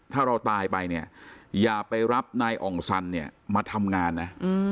ถ้าเราตายไปเนี่ยอย่าไปรับนายอ่องสันเนี่ยมาทำงานนะ